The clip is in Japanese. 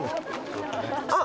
あっ。